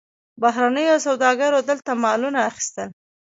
بهرنیو سوداګرو دلته مالونه اخیستل.